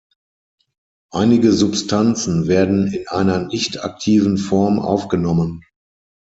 Einige Substanzen werden in einer nicht-aktiven Form aufgenommen.